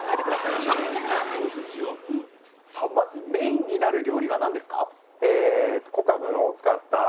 まずメインになる料理は何ですか？